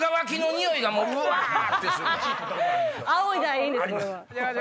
あおいだらいいんです。